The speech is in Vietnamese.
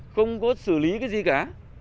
không có xử lý cái gì cả